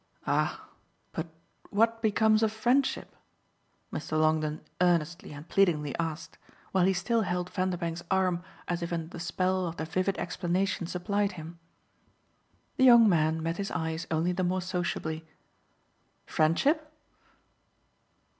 "Ah but what becomes of friendship?" Mr. Longdon earnestly and pleadingly asked, while he still held Vanderbank's arm as if under the spell of the vivid explanation supplied him. The young man met his eyes only the more sociably. "Friendship?"